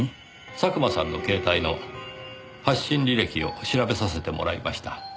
佐久間さんの携帯の発信履歴を調べさせてもらいました。